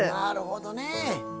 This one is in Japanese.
なるほどね！